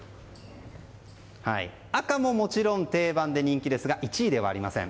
赤ももちろん定番で人気ですが１位ではありません。